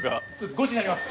ゴチになります。